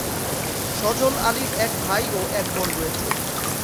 সজল আলীর এক ভাই ও এক বোন রয়েছে।